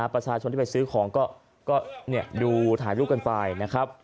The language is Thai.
ประชาชนที่ไปซื้อของก็ดูถ่ายรูปกันไปนะครับ